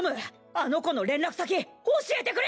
あの子の連絡先教えてくれ！